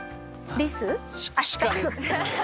リス？